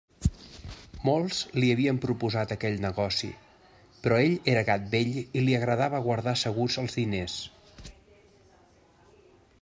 Molts li havien proposat aquell negoci; però ell era gat vell i li agradava guardar segurs els diners.